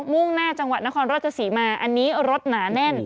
มุ่งหน้าจังหวัดนครราชศรีมาอันนี้รถหนาแน่น